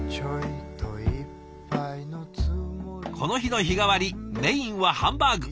この日の日替わりメインはハンバーグ。